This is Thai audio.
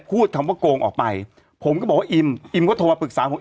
พูดคำว่าโกงออกไปผมก็บอกว่าอิมอิมก็โทรมาปรึกษาผม